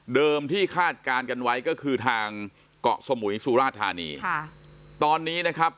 ที่คาดการณ์กันไว้ก็คือทางเกาะสมุยสุราธานีค่ะตอนนี้นะครับ